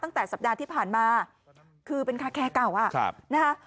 ตั้งแต่สัปดาห์ที่ผ่านมาคือเป็นคาแคร์เก่าอ่ะนะคะ